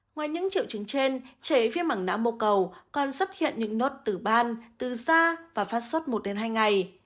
ngoài những triệu chứng trên trẻ viên mảng nã mô cầu còn xuất hiện những nốt tử ban tử da và phát suất một hai ngày